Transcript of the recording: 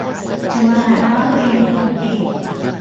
จงตระหนักว่าตัวเองเป็นคนเก่ง